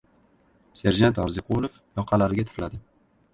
Serjant Orziqulov yoqalariga tufladi.